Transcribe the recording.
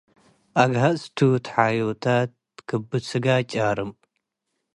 አግሐጽ ቱ እት ሐዮታት ክብት ስጋድ ጫርም፣